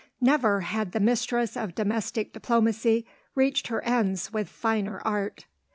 Never had the mistress of domestic diplomacy reached her ends with finer art.